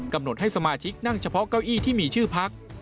กำหนดให้สมาชิกนั่งเฉพาะเก้าอี้ที่มีชื่อพัก